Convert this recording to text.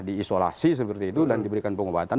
diisolasi seperti itu dan diberikan pengobatan